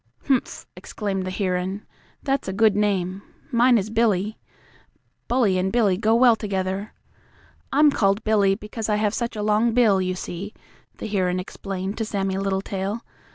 "Humph!" exclaimed the heron. "That's a good name. Mine is Billy. Bully and Billy go well together. I'm called Billy because I have such a long bill, you see," the heron explained to Sammie Littletail.